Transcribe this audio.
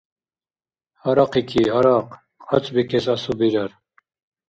Гьарахъики, гьарахъ! КьацӀбикес асубирар!